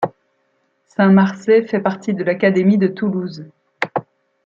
Saint-Marcet fait partie de l'académie de Toulouse.